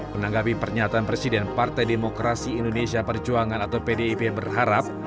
menanggapi pernyataan presiden partai demokrasi indonesia perjuangan atau pdip berharap